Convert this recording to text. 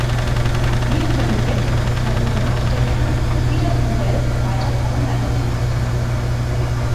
Wir können jetzt darüber nachdenken, wie das Modell weiter verändert werden kann.